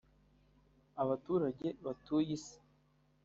Abaturage batuye isi